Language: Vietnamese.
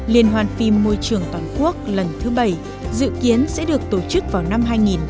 liên hoàn phim môi trường toàn quốc lần thứ bảy dự kiến sẽ được tổ chức vào năm hai nghìn hai mươi